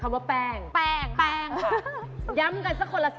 อ้าวแล้ว๓อย่างนี้แบบไหนราคาถูกที่สุด